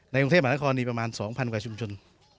กรุงเทพมหานครมีประมาณ๒๐๐กว่าชุมชน